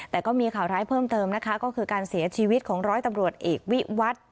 แต่ก็มีข่าวร้ายเพิ่มเติมนะคะก็คือการเสียชีวิตของร้อยตำรวจเอกวิวัตร